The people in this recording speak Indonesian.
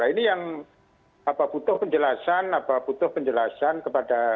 nah ini yang butuh penjelasan kepada masyarakat